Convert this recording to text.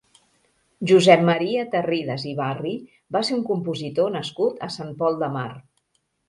Josep Maria Tarridas i Barri va ser un compositor nascut a Sant Pol de Mar.